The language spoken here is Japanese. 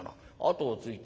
後をついて。